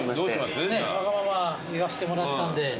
わがまま言わしてもらったんで。